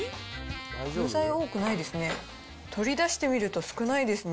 具材多くないですね。